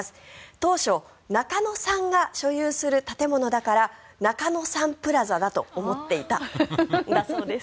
当初、中野さんが所有する建物だから中野サンプラザだと思っていたんだそうです。